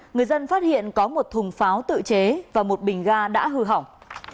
người dân phát hiện có một thùng pháo tự chế và một bình ga đã hư hỏng